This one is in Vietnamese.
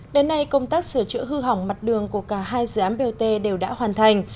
đến nay công tác sửa chữa hư hỏng mặt đường của cả hai dự án bot đều đã hoàn thành